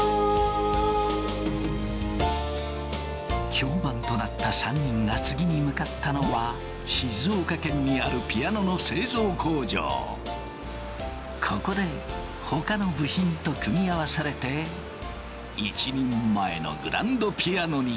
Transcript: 響板となった３人が次に向かったのはここでほかの部品と組み合わされて一人前のグランドピアノになる。